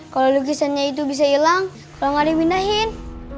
kalau lukisannya itu bisa hilang kalau gak dimindahin